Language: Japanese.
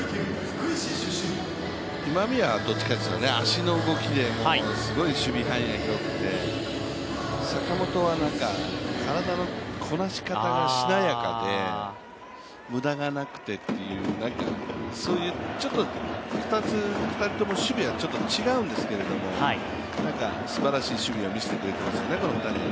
今宮はどっちかといったら足の動きですごい守備範囲が広くて坂本は体のこなし方がしなやかで無駄がなくてという、ちょっと２人とも守備は違うんですけど、すばらしい守備を見せてくれてましたよね、この２人は。